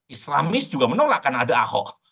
islamis juga menolak karena ada ahok